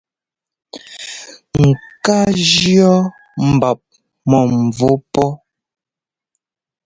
Ŋ́kaa jʉ́ɔ mbap̧ -mɔ̂mvú pɔ́.